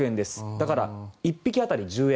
だから、１匹当たり１０円。